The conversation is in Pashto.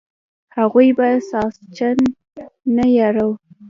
هغوی به ساسچن نه یراو.